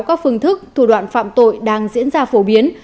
các phương thức thủ đoạn phạm tội đang diễn ra phổ biến